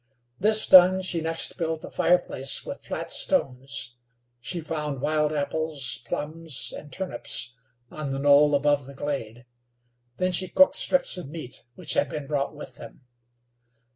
This done, she next built a fireplace with flat stones. She found wild apples, plums and turnips on the knoll above the glade. Then she cooked strips of meat which had been brought with them.